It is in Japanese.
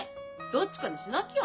どっちかにしなきゃ。